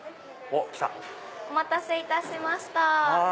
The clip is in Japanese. お待たせいたしました。